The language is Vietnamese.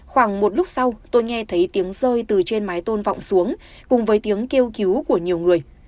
khoảng một lúc sau tôi nghe thấy tiếng rơi từ trên mái tôn vọng xuống cùng với tiếng kêu cứu của nhiều người